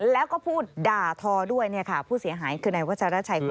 แล้วก็พูดด่าทอด้วยผู้เสียหายคือนายวัชราชัยคนนี้